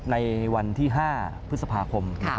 ในวันที่๕พฤษภาคม